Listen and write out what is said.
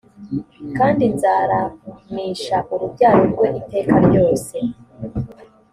kandi nzaramisha urubyaro rwe iteka ryose